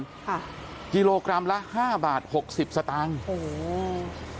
ค่ะกิโลกรัมละห้าบาทหกสิบสตางค์โอ้โห